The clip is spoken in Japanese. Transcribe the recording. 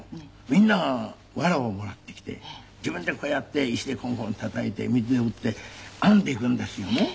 みんながワラをもらってきて自分でこうやって石でコンコンたたいて水で打って編んでいくんですよね。